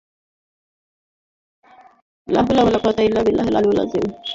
নীলফামারীর সৈয়দপুরকে যানজটমুক্ত করতে জেলা পুলিশের পক্ষ থেকে বিজ্ঞপ্তি জারি করা হয়েছে।